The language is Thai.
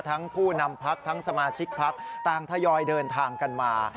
ผู้นำพักทั้งสมาชิกพักต่างทยอยเดินทางกันมา